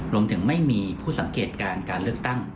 รวมถึงไม่มีผู้สังเกตการการเลือกตั้ง